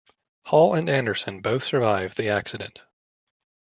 Hall and Anderson both survived the accident.